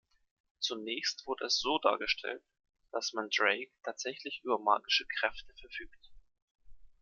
Zunächst wurde es so dargestellt, dass Mandrake tatsächlich über magische Kräfte verfügt.